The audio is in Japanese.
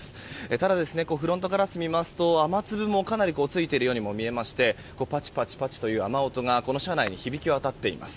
ただ、フロントガラスを見ますと雨粒もかなりついているように見えましてパチパチという雨音が車内に響き渡っています。